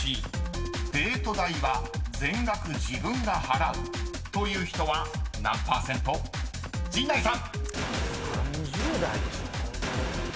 デート代は全額自分が払う人は何％か？］